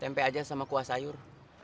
tempe aja sama kuah sayur